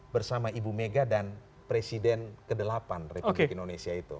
bersama ibu mega dan presiden kedelapan republik indonesia itu